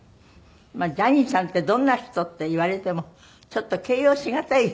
ジャニーさんってどんな人？って言われてもちょっと形容しがたい。